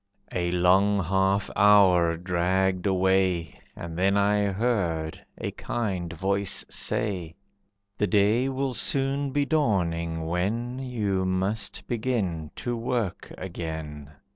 A long half hour dragged away, And then I heard a kind voice say, "The day will soon be dawning, when You must begin to work again.